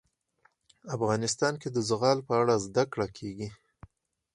افغانستان کې د زغال په اړه زده کړه کېږي.